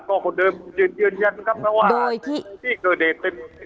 ก็คนเดิมยืนยันครับเพราะว่าโดยที่ที่คือเด็ดเต็ม